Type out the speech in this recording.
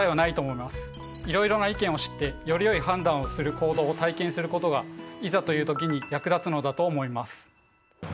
いろいろな意見を知ってよりよい判断をする行動を体験することがいざという時に役立つのだと思います。